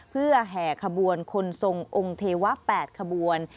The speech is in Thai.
เพื่อแห่ขบวนคนทรงองค์เทวะ๘ขบวน